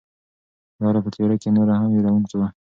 لاره په تیاره کې نوره هم وېروونکې کیږي.